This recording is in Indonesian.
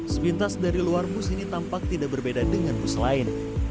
sepintas dari luar bus ini tampak tidak berbeda dengan bus lain